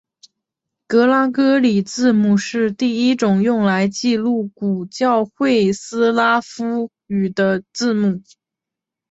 格拉哥里字母是第一种用来记录古教会斯拉夫语的字母。